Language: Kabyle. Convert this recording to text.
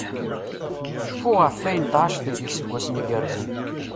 Cfu ɣef ayen tεaceḍ d iseggasen igerrzen!